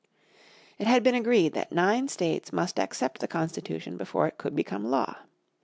It had been agreed that nine states must accept the Constitution before it could become law.